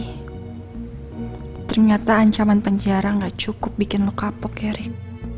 hai ternyata ancaman penjara enggak cukup bikin lo kapok ya rick